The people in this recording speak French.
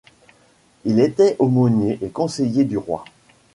Il était aumônier et conseiller du roi.